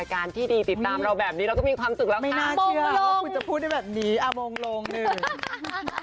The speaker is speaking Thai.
ย้ายไม่ได้แต่เป็นความเชื่อนะคุณผู้ชมค่ะ